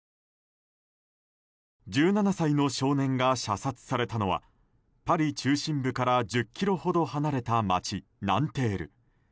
１７歳の少年が射殺されたのはパリ中心部から１０ｋｍほど離れた町ナンテール。